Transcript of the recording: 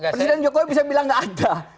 presiden jokowi bisa bilang nggak ada